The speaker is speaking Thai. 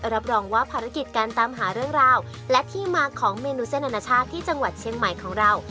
รับรองว่าภารกิจการตามหาเรื่องราวและที่มาของเมนูเส้นอนาชาติที่จังหวัดเชียงใหม่ของเรา